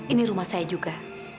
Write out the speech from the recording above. ini rumah saya juga